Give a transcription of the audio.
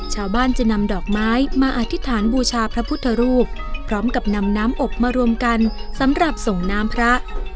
ชาวบ้านจะนำดอกไม้มาอธิษฐานบูชาพระพุทธรูปพร้อมกับนำน้ำอบมารวมกันสำหรับส่งน้ำพระ